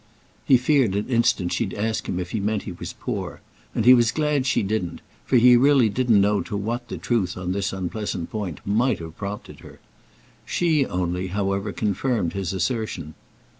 He feared an instant she'd ask him if he meant he was poor; and he was glad she didn't, for he really didn't know to what the truth on this unpleasant point mightn't have prompted her. She only, however, confirmed his assertion.